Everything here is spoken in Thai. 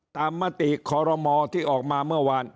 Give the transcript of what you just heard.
มติขอรมอที่ออกมาเมื่อวาน